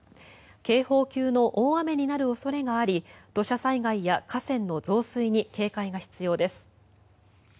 警報級の大雨になる恐れがあり土砂災害や河川の増水に警戒が必要です。